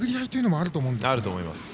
あると思います。